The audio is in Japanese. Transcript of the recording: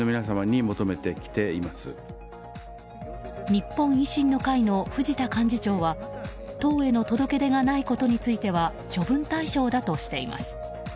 日本維新の会の藤田幹事長は党への届け出がないことについては処分対象だとしています。